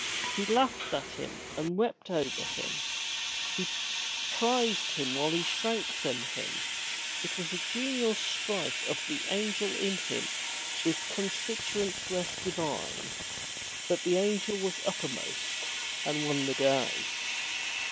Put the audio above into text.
He laughed at him and wept over him. He prized him while he shrank from him. It was a genial 244 FROM THE TOWER WINDOW strife of the angel in him with constituents less divine. But the angel was uppermost and won the day.